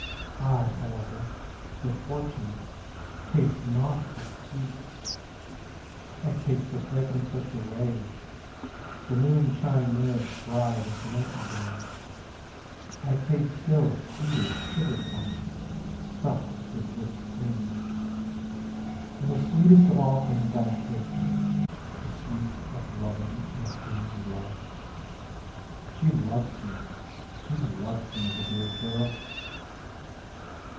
I, however, the fortunate, taste naught but sweets! I taste the fragrance of the rose, The moonshine nourished bride of the nightingale. I taste still sweeter sugar plums, Stuffed with whipped cream. And the sweetest of all things I taste, The sweets of loving and of being loved! "She loves me, she loves me, the dear girl!